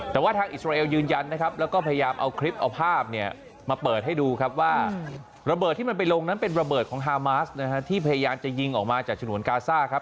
แต่ว่าทางอิสราเอลยืนยันนะครับแล้วก็พยายามเอาคลิปเอาภาพเนี่ยมาเปิดให้ดูครับว่าระเบิดที่มันไปลงนั้นเป็นระเบิดของฮามาสนะฮะที่พยายามจะยิงออกมาจากฉนวนกาซ่าครับ